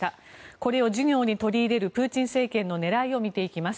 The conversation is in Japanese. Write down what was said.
これを授業に取り入れるプーチン政権の狙いを見ていきます。